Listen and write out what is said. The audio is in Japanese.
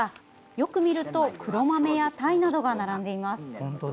よく見ると黒豆やタイなどが並んでいます。